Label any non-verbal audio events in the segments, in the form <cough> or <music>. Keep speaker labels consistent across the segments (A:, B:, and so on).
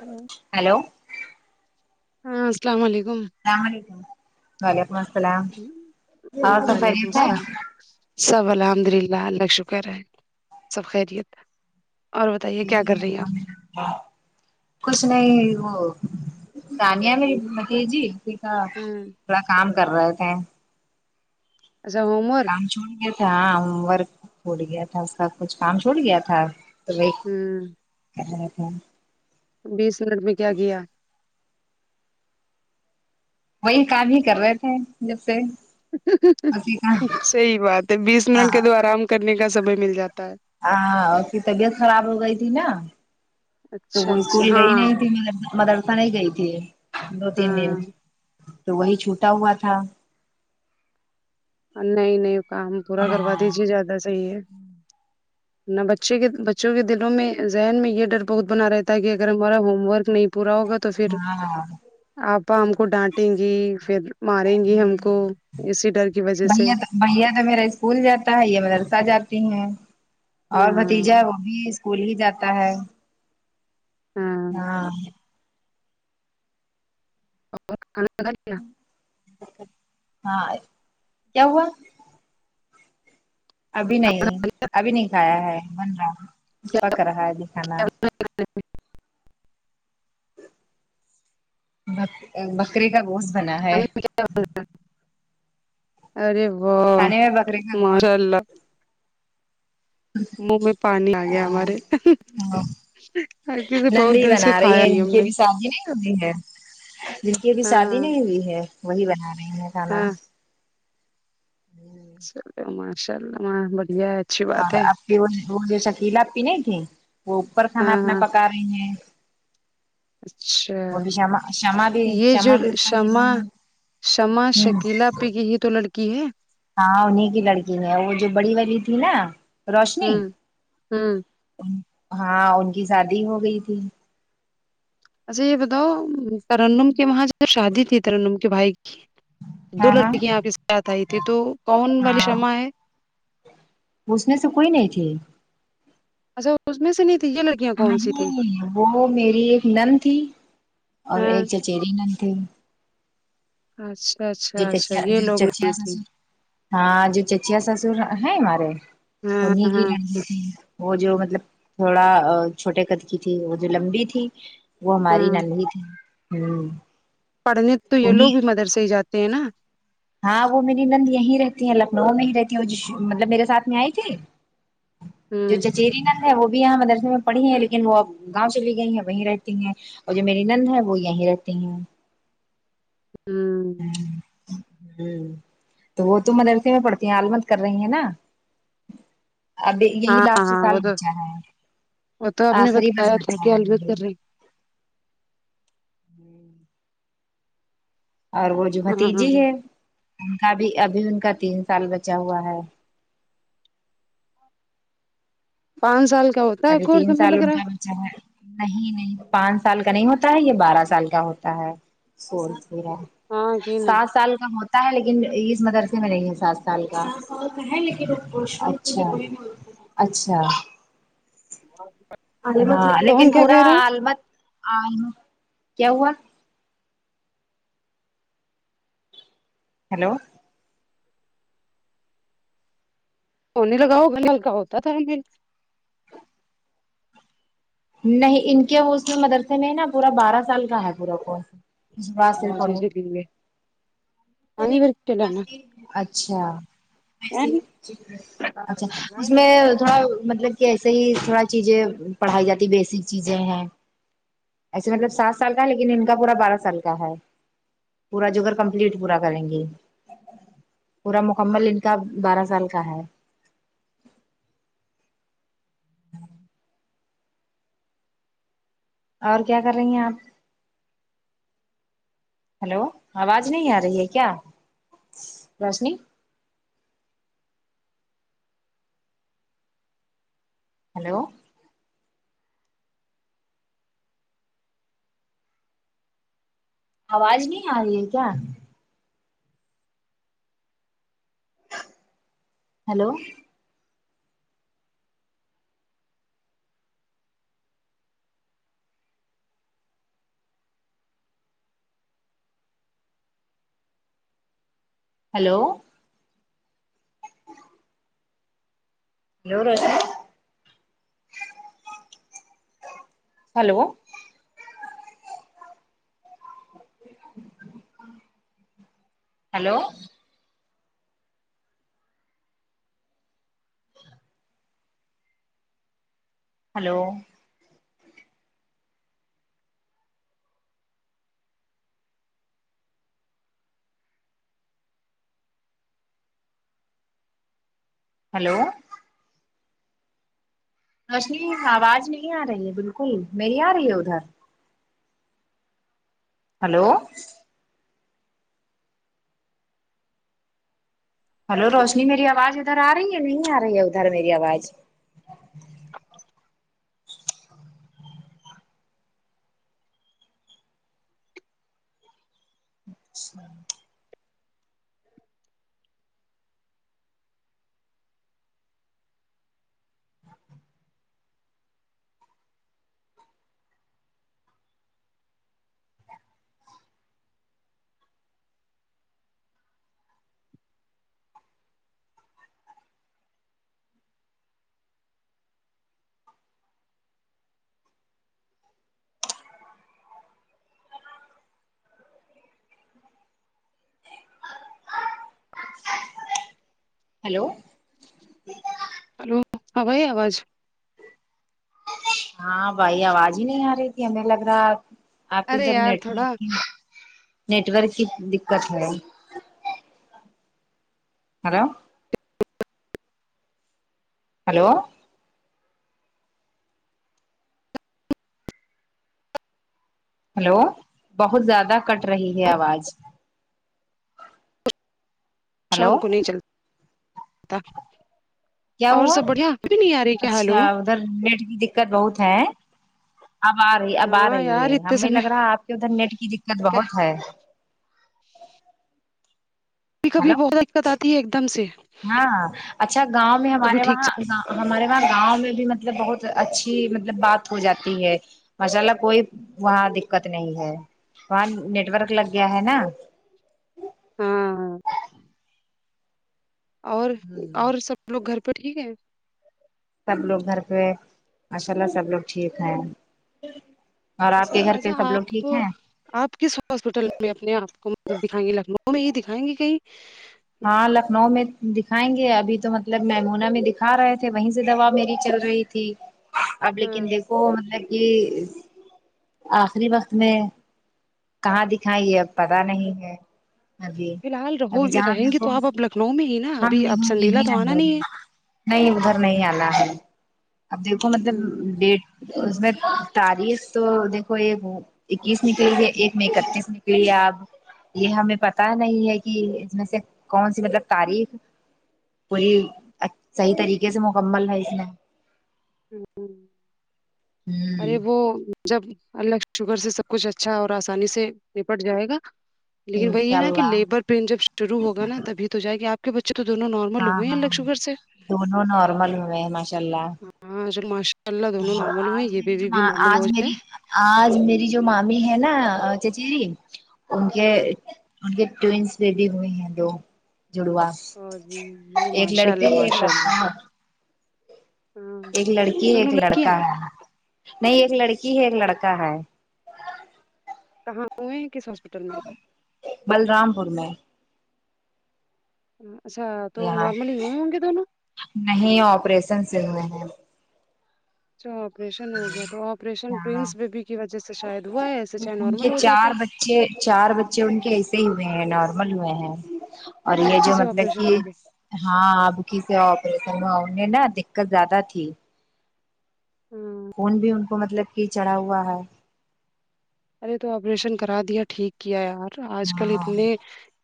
A: hello
B: hello
A: ہاں السلام علیکم
B: السلام علیکم وعلیکم السلام اور سب
A: وعلیکم
B: خیریت ہے
A: السلام سب الحمد للہ اللہ شکر ہے سب خیریت اور بتائیے کیا
B: جی
A: کر رہی ہیں
B: الحمد
A: آپ
B: للہ کچھ نہیں وہ سنیا میری بھتیجی اا
A: ہوں
B: تھوڑا کام کر رہے تھے
A: اچھا ہو
B: کام چھوٹ گیا تھا ہاں ہو ورک پھوٹ گیا تھا سب کچھ کام چھوٹ گیا تھا
A: ہوں
B: <unintelligible>
A: بیس منٹ میں کیا کیا
B: وہی کام ہی کر رہے تھے جب سے اسی کا
A: صحیح بات ہے بیس
B: ہاں
A: منٹ کے تو آرام کرنے کا سمے مل جاتا ہے
B: ہاں آپ کی طبیعت خراب ہو گئی تھی نا تو
A: اچھا
B: وہ
A: اچھا
B: اسکول گئی
A: ہاں
B: نہیں تھی مدرسہ نہیں گئی تھی دو تین دن
A: ہاں
B: تو وہی چھوٹا ہوا تھا
A: نہیں نہیں کام پورا کروا دیجیے زیادہ صحیح ہے نہ بچے کے بچوں کے دلوں میں ذہن میں یہ ڈر بہت بنا رہتا ہے کہ اگر ہمارا ہوم ورک نہیں پورا ہوگا تو پھر
B: ہاں
A: آپا ہم کو ڈانٹیں گی پھر ماریں گی ہم کو اسی ڈر کی وجہ سے
B: بھیا تو بھیا تو میرا اسکول جاتا ہے یہ مدرسہ جاتی ہیں اور بھتیجا وہ بھی اسکول ہی جاتا ہے
A: ہاں اور کھانا کھالیا
B: ہاں کیا ہوا ابھی نہیں ابھی نہیں کھایا ہے بن رہا پک رہا ہے ابھی کھانا بک بکری کا گوشت بنا ہے
A: کھانے میں <unintelligible> کیا کیا بولتا ارے واہ
B: کھانے میں بکرے کا
A: ماشاء
B: گوشت
A: اللہ منہ میں پانی آ گیا ہمارے کیونکہ
B: نند
A: بہت
B: ہی
A: دن سے
B: بنا رہی
A: کھایا
B: ہیں
A: ہی
B: جن
A: ہم
B: کی
A: نے
B: ابھی شادی نہیں ہوتی ہے جن کی ابھی شادی
A: ہاں
B: نہیں ہوئی ہے وہی بنا رہے ہیں کھانا
A: ہاں چلو ماشاء اللہ ما بڑھیا ہے اچھی بات
B: اور
A: ہے
B: آپ کے وہ جو شکیلا آپپی نہیں تھی وہ اوپر کھانا
A: ہاں
B: اپنا
A: ہاں
B: پکا رہے ہیں
A: اچھا
B: وہ بھی شمع شمع بھی
A: یہ جو
B: شمع بھی اوپر ہی
A: شمع
B: ہیں،
A: شمع
B: ہوں
A: شکیلا آپی کی ہی تو لڑکی ہے
B: ہاں انہیں کی لڑکی ہے وہ جو بڑی والی تھی نا روشنی
A: ہوں ہوں
B: ہاں ان کی شادی ہو گئی تھی
A: اچھا یہ بتاؤ ترنم کے وہاں شادی تھی ترنم کے بھائی کی دو
B: ہاں ہاں
A: لڑکیاں آپ کے ساتھ آئی تھی تو کون والی
B: ہاں
A: شمع ہے
B: اس میں سے کوئی نہیں تھی
A: اچھا اس میں سے نہیں تھی کیا لڑ
B: نہیں وہ میری ایک نند تھی اور
A: ہاں
B: ایک چچیری نند تھی
A: اچھا اچھا اچھا یہ لوگ نہیں تھی
B: <unintelligible> ہاں جو چچیا سسر ہے ہمارے
A: ہاں
B: انہیں
A: ہاں
B: لڑکی تھی وہ جو مطلب تھوڑا چھوٹے قد کی تھی وہ جو لمبی تھی وہ ہماری
A: ہاں
B: نند ہی تھی ہمم
A: پڑھنے تو یہ لوگ بھی مدرسے ہی جاتے ہیں نا
B: ہاں وہ میری نند یہی رہتی ہے لکھنؤ میں ہی رہتی ہے وہ جو مطلب میرے ساتھ میں آئے تھے جو
A: ہوں
B: چچیری نند وہ بھی یہاں مدرسے میں پڑھی ہے لیکن وہ اب گاؤں چلی گئی ہیں وہیں رہتی ہیں اور جو میری نند ہے وہ یہی رہتی ہیں
A: ہوں
B: ہمم تو وہ تو مدرسے میں پڑتی ہیں عالمت کر رہی ہیں نا ابھی یہی
A: ہاں
B: لاسٹ
A: ہاں
B: سال
A: وہ تو
B: بچا ہے
A: وہ تو آپ نے
B: آخری بس
A: بتایا تھا
B: بچا
A: کہ البت
B: رہا
A: کر رہی
B: اور وہ جو
A: ہاں ہاں
B: بھتیجی
A: ہاں
B: ہے ان کا بھی ابھی ان کا تین سال بچا ہوا ہے
A: پانچ سال کا ہوتا ہے
B: ابھی
A: کورس
B: تین
A: ہمیں
B: سال
A: لگ
B: ان
A: رہا
B: کا نہیں نہیں پانچ سال کا نہیں ہوتا ہے یہ بارہ سال کا ہوتا ہے کورس پورا
A: ہاں کی نہیں
B: سات سال کا ہوتا ہے لیکن اس مدرسے میں نہیں ہے سات سال کا سات سال ہے لیکن <unintelligible> اچھا اچھا
A: <unintelligible>
B: لیکن
A: کون کیا
B: پورا
A: کہہ رہا
B: البتہ کیا ہوا ہلو
A: سنے لگاؤ ہو نلکا ہوتا تھا <unintelligible>
B: نہیں ان کے وہ اس میں مدرسے میں نا پورا بارہ سال کا ہے پورا کورس
A: آواز چلیے پانی بھر چلانا
B: <unintelligible> اچھا اچھا اس میں تھوڑا مطلب کہ ایسے ہی تھوڑا چیزیں پڑھائی جاتی بیسک چیزیں ہیں ایسے مطلب سات سال کا ہے لیکن ان کا پورا بارہ سال کا ہے پورا جوگر کمپلیٹ پورا کریں گے پورا مکمل ان کا بارہ سال کا ہے اور کیا کر رہی ہیں آپ ہلو آواز نہیں آ رہی ہے کیا روشنی ہیلو آواز نہیں آ رہی ہے کیا hello hello hello Roshan hello hello hello hello روشنی آواز نہیں آ رہی ہے بلکل میری آ رہی ہے ادھر ہلو ہلو روشنی میری آواز ادھر آ رہی ہے نہیں آ رہی ہے ادھر میری آواز <unintelligible> ہلو
A: ہلو اب ائی آواز
B: ہاں بھائی آواز ہی نہیں آ رہی تھی ہمیں لگ رہا آپ کہ
A: ارے
B: ادھر
A: یار
B: نیٹورک
A: تھوڑا
B: کی نیٹورک کی دقت ہے ہلو ہلو ہلو بہت زیادہ کٹ رہی ہے آواز ہلو
A: شام کو نہیں چل ٹا
B: کیا
A: اور سب بڑھیا ابھی نہیں آ رہی کیا ہلو
B: سر نیٹ کی دقت بہت ہے اب آ رہی اب آ
A: ہاں
B: رہی
A: یار
B: ہے
A: اتنے
B: ہمیں
A: سمے
B: لگ رہا ہے آپ کے ادھر نیٹ کی دقت
A: کبھی
B: بہت ہے
A: کبھی
B: ہلو
A: بہت دقت آتی ہے ایک دم سے
B: ہاں اچھا گاؤں میں
A: کبھی
B: ہمارے
A: ٹھیک
B: وہاں گا ہمارے وہاں گاؤں میں بھی مطلب بہت اچھی مطلب بات ہو جاتی ہے ماشاء اللہ کوئی وہاں دقت نہیں ہے وہاں نیٹورک لگ گیا ہے نا
A: ہاں اور
B: ہوں
A: اور سب لوگ گھر پہ ٹھیک ہے
B: سب لوگ گھر پہ ماشاء اللہ سب لوگ ٹھیک ہیں اور آپ کے
A: اچھا
B: گھر پہ
A: اچھا
B: سب لوگ
A: آپ
B: ٹھیک ہیں
A: آپ کس ہاسپٹل میں اپنے آپ کو م <unintelligible> دکھائیں گے لکھنؤ میں ہی دکھائیں گی کہیں
B: ہاں لکھنؤ میں دکھائیں گے ابھی تو مطلب میمونا میں دکھا رہے تھے وہیں سے دوا میری چل رہی تھی اب
A: ہاں
B: لیکن دیکھو مطلب کہ آخری وقت میں کہاں دکھایے اب پتا نہیں ہے ابھی
A: فی الحال رہو
B: ابھی جہاں
A: رہیں گی
B: دیکھو
A: تو آپ اب لکھنؤ میں ہی نا
B: ہاں ہم
A: ابھی آپ
B: یہی
A: سنڈیلا
B: یہی
A: تو آنا
B: رہنگے
A: نہیں ہے
B: نہیں ادھر نہیں آنا ہے اب دیکھو مطلب ڈیٹ اس میں تاریخ تو دیکھو یہ اکیس نکل گئی ایک میک اپ کس نکلی ہے آپ یہ ہمیں پتا نہیں ہے کہ اس میں سے کون سی مطلب تاریخ وہی صحیح طریقے سے مکمل ہے اس میں
A: ہمم ارے
B: ہ
A: وہ جب اللہ کے شکر سے سب کچھ اچھا اور آسانی سے نپٹ جائے گا لیکن وہی
B: انشاء
A: ہے نا کہ
B: اللہ
A: لیبر پین جب شروع ہوگا نا تبھی تو جائے گی آپ کے بچے تو دونوں نارمل
B: ہاں
A: ہوئے ہیں اللہ
B: ہاں
A: کے شکر سے
B: دونوں نارمل ہوئے ہیں ماشاء اللہ
A: ہاں چلو ماشاء اللہ دونوں
B: اور
A: نارمل ہوئے ہیں
B: آج
A: یہ
B: میری جو
A: بیبی بھی
B: ماں
A: نارمل ہو
B: آج
A: جائے
B: میری آج میری جو مامی ہے نا چچیری ان کے
A: ہاں
B: ان کے ٹونز بیبی ہوئے ہیں دو جڑوا
A: اور یہ
B: ایک
A: ماشاء
B: لڑکی
A: اللہ
B: ایک
A: ماشاء
B: لڑکا
A: اللہ ہاں
B: ایک لڑکی ہے ایک
A: دونوں لڑکیاں
B: لڑکا ہے نہیں ایک لڑکی ہے ایک لڑکا ہے
A: کہاں ہوئی کس ہاسپٹل میں
B: بلرام پور میں
A: اچھا تو
B: یہاں
A: نارملی ہی ہوے ہوں گے دونوں
B: نہیں آپریشن سے ہوئے ہیں
A: اچھا آپریشن ہو گیا تو آپریشن
B: ہاں
A: ٹونز بیبی کی وجہ سے شاید ہوا ہے ایسے چاہے نارمل ہو جاتا
B: چھ چار بچے ان کے ایسے ہی ہوئے ہیں نارمل ہوئے ہیں اور
A: اب
B: یہ جو
A: کسے
B: مطلب
A: آپریشن
B: کہ
A: ہو گئے
B: ہاں اب کی سے آپریشن میں انہیں نا دقت زیادہ تھی
A: ہاں
B: خون بھی ان کو مطلب کہ چڑھا ہوا ہے
A: ارے تو آپریشن کرا دیا ٹھیک کیا یار آج کل
B: ہاں
A: اتنے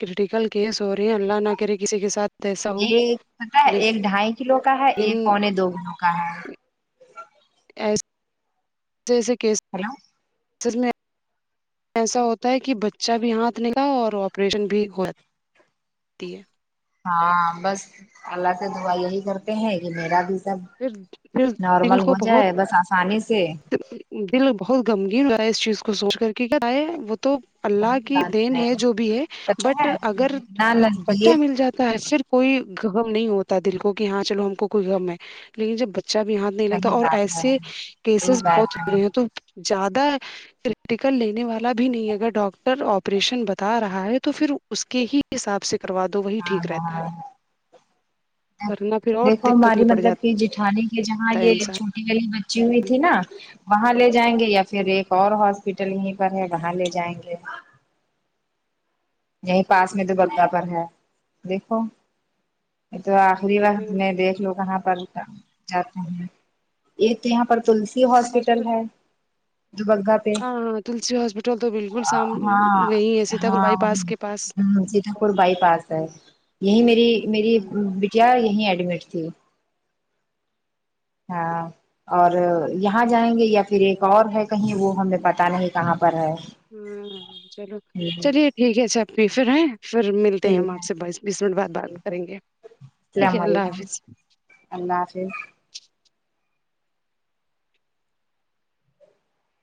A: کرٹیکل کیس ہو رہیں اللہ نہ کریں کسی کے ساتھ ایسا ہو
B: ایک پتا ہے ایک ڈھائی کلو کا ہے
A: لیکن
B: ایک پونے دو کلو کا ہے
A: ایے <unintelligible> جیسے کیس
B: ہیلو
A: سر نے ایسا ہوتا ہے کہ بچہ بھی ہاتھ ملا اور آپریشن بھی ہو یا تی ہے
B: ہاں بس اللہ سے دعا یہی کرتے ہیں کہ میرا بھی سب
A: پھر پھر دل
B: نارمل ہو
A: کو بہت
B: جائے بس آسانی سے
A: دل بہت گمگیر ہوا ہے اس چیز کو سوچ کر ہے وہ تو اللہ
B: صحیح
A: کی
B: بات
A: دین ہے جو بھی ہے
B: پتا
A: بٹ
B: ہے
A: اگر
B: جتنا
A: بچہ
B: نزدیک
A: مل جاتا ہے صرف کوئی غم نہیں ہوتا دل کو کہ ہاں چلو ان کو کوئی غم ہے لیکن جب بچ چہ بھی ہاتھ نہیں لگتا
B: صحیح
A: اور
B: بات ہے
A: ایسے
B: صحیح
A: کیسز بہت
B: بات ہے
A: ہوے ہیں تو زیادہ کریٹیکل لینے والا بھی نہیں اگر ڈاکٹر آپریشن بتا رہا ہے تو پھر اس کے ہی حساب سے کروا دو وہی
B: ہاں
A: ٹھیک
B: ہاں
A: رہتا ہے
B: ہاں
A: ورنہ پھر اور
B: دیکھو
A: دقت
B: ہماری
A: میں پڑ
B: مطلب
A: جاتا
B: کہ جیٹھانی کے جہاں
A: ہے
B: یہ
A: انسان
B: چھوٹی والی بچی ہوئی تھی نا وہاں لے جائیں گے یا پھر اور ہاسپٹل یہیں پر ہے وہاں لے جائیں گے یہی پاس میں دو بگگا پر ہے دیکھو یہ تو آخری وقت میں دیکھ لوں کہاں پر روکا جاتا ہیں ایک تو یہاں پر تلسی ہاسپٹل ہے دوبگہ پہ
A: ہاں ہاں تلسی ہاسپٹل تو بالکل سام
B: ہاں
A: وہیں ہے سیتا پور
B: ہاں
A: بائی پاس کے پاس
B: ہ سیتا پور بائی پاس ہے یہیں میری میری
A: ہاں
B: بٹیا یہی ایڈمٹ تھی ہاں اور یہاں جائیں گے یا پھر ایک اور ہے کہیں وہ ہمیں پتا نہیں کہاں پر ہے
A: ہوں چلو
B: ٹھیک ہے
A: چلیے ٹھیک ہے چھت پسراہا پھر ملتے ہیں ہم آپ سے بائیس بیس منٹ بعد
B: ٹھیک
A: بات
B: ہے
A: کریں گے ٹھیک
B: السلام
A: ہے اللہ
B: علیکم
A: حافظ
B: اللہ حافظ